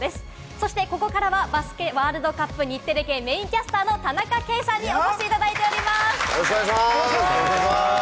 そして、ここからはバスケワールドカップ日テレ系メインキャスターの田中圭さんによろしくお願いします！